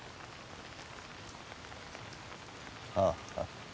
ああ。